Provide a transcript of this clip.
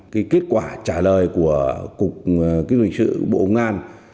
cái kết quả trả lời của cục kinh doanh sự bộ ngan